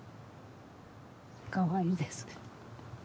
かわいいです。